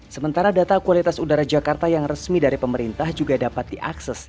sementara data kualitas udara jakarta yang resmi dari pemerintah juga dapat diakses